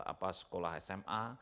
ada sekolah sma